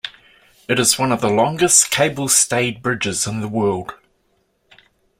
It is one of the longest cable-stayed bridges in the world.